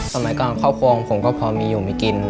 สมัยก่อนครอบครัวของผมก็พอมีอยู่มีกิน